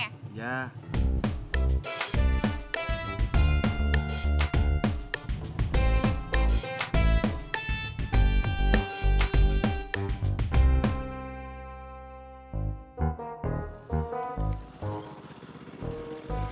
nanti saya jalanin